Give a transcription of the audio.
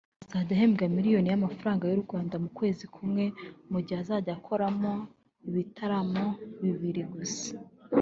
azajya ahembwa miliyoni y’amafaranga y’u Rwanda mu kwezi kumwe mu gihe azajya akoramo ibitaramo bibiri gusa